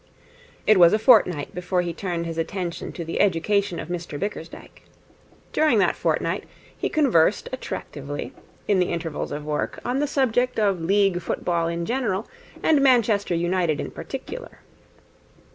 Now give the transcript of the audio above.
It was a fortnight before he turned his attention to the education of Mr Bickersdyke. During that fortnight he conversed attractively, in the intervals of work, on the subject of League football in general and Manchester United in particular.